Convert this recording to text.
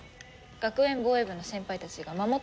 学園防衛部の先輩たちが守ってくれる。